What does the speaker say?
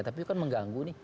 tapi itu kan mengganggu nih